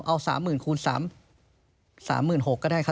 เอา๓หมื่นคูณ๓หมื่น๖ก็ได้ค่ะ